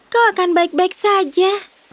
kau akan baik baik saja